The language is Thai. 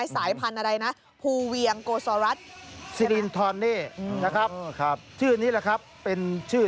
สายพันธุ์พูเวียงโกซาวรัสซิลินทอนเนย์